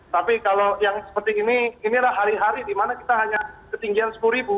tapi kalau yang seperti ini inilah hari hari di mana kita hanya ketinggian sepuluh ribu